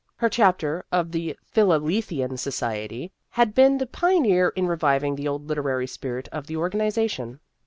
Her chapter of the Philalethean Society had been the pioneer in reviving the old literary spirit of the organization.